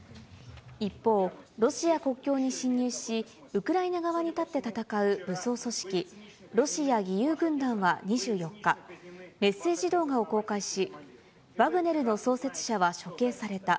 一方、ロシア国境に侵入し、ウクライナ側に立って戦う武装組織、ロシア義勇軍団は２４日、メッセージ動画を公開し、ワグネルの創設者は処刑された。